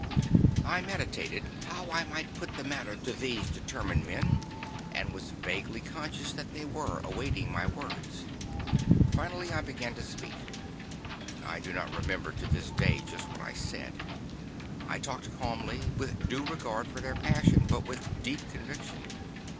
I meditated how I might put the matter to these determined men, and was vaguely conscious that they were awaiting my words. Finally I began to speak. I do not remember to this day just what I said. I talked calmly, with due regard for their passion, but with deep conviction.